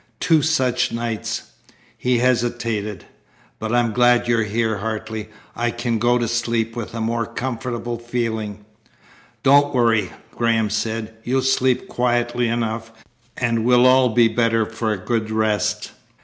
Two such nights!" He hesitated. "But I am glad you're here, Hartley. I can go to sleep with a more comfortable feeling." "Don't worry," Graham said. "You'll sleep quietly enough, and we'll all be better for a good rest."